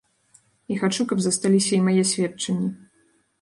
І хачу, каб засталіся і мае сведчанні.